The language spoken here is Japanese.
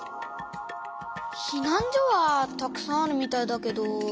ひなん所はたくさんあるみたいだけど。